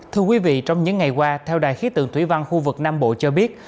thưa quý vị trong những ngày qua theo đài khí tượng thủy văn khu vực nam bộ cho biết